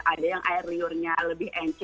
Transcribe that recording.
ada yang air liurnya lebih ence